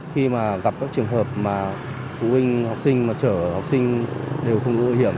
khi mà gặp các trường hợp mà phụ huynh học sinh trở học sinh đều không đổi hiểm